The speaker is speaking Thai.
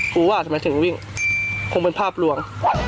ว่าทำไมถึงวิ่งคงเป็นภาพลวง